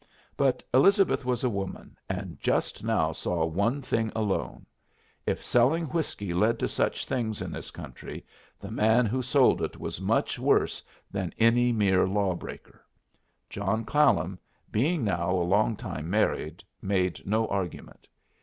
But Elizabeth was a woman, and just now saw one thing alone: if selling whiskey led to such things in this country, the man who sold it was much worse than any mere law breaker. John Clallam, being now a long time married, made no argument.